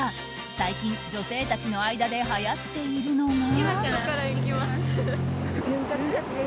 最近、女性たちの間ではやっているのが。